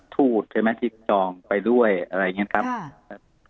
ทูตใช่ไหมที่จองไปด้วยอะไรอย่างเงี้ยครับ